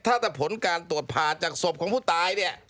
ถ้าแต่ผลการตรวจผ่าจากศพของผู้ตายเนี่ย